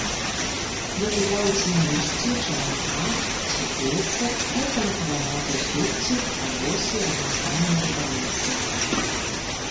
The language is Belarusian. Выклікаюць на лісці, чаранках, суквеццях, рэдка на каранях уздуцці, палосы, разнастайныя дэфармацыі.